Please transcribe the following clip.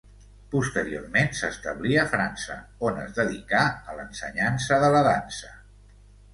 Posteriorment s'establí a França, on es dedicà a l'ensenyança de la dansa.